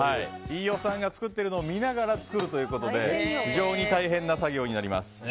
飯尾さんが作っているのを見ながら作るということで非常に大変な作業になります。